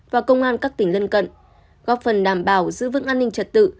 và công an các tỉnh lân cận góp phần đảm bảo giữ vững an ninh trật tự